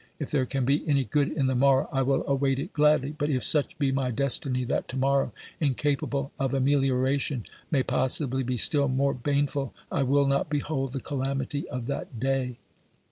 If there can be any good in the morrow I will await it gladly, but if such be my destiny that to morrow, incapable of amelioration, may possibly be still more baneful, I will not behold the calamity of that day.